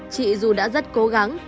chị dù đã rất cố gắng